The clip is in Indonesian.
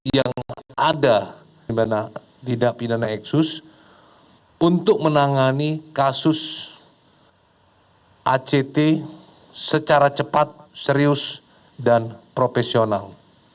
yang ada di dapidana exus untuk menangani kasus act secara cepat serius dan profesional